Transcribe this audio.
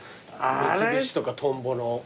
三菱とかトンボの。